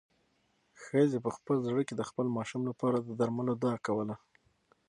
ښځې په خپل زړه کې د خپل ماشوم لپاره د درملو دعا کوله.